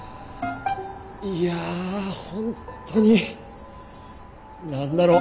いや本当に何だろう。